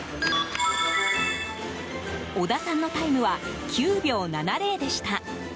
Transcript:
織田さんのタイムは９秒７０でした。